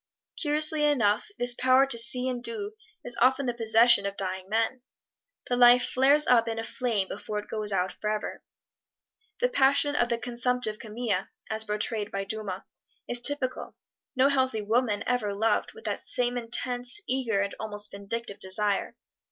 Curiously enough, this power to see and do is often the possession of dying men. The life flares up in a flame before it goes out forever. The passion of the consumptive Camille, as portrayed by Dumas, is typical no healthy woman ever loved with that same intense, eager and almost vindictive desire.